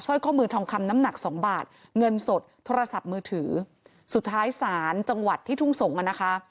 ข้อมือทองคำน้ำหนักสองบาทเงินสดโทรศัพท์มือถือสุดท้ายศาลจังหวัดที่ทุ่งสงศ์อ่ะนะคะ